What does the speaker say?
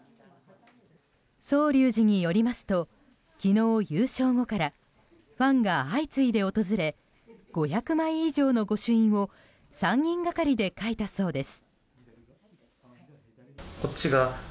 宗隆寺によりますと昨日、優勝後からファンが相次いで訪れ５００枚以上の御朱印を３人がかりで書いたそうです。